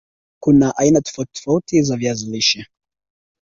kuna aina tofauti tofauti za viazi lishe